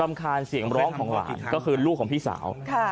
คานเสียงร้องของหลานก็คือลูกของพี่สาว